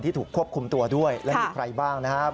ถูกควบคุมตัวด้วยและมีใครบ้างนะครับ